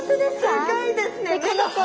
すギョいですね。